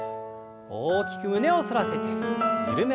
大きく胸を反らせて緩めます。